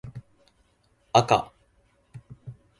あか